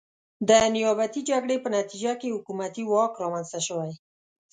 د نیابتي جګړې په نتیجه کې حکومتي واک رامنځته شوی.